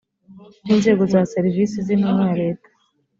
by inzego za serivisi z intumwa ya leta